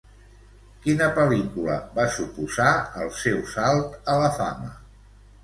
Quina pel·lícula va suposar el seu salt a la fama?